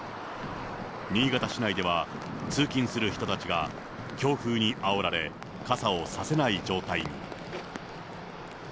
新潟市内では通勤する人たちが強風にあおられ、傘を差せない状態に。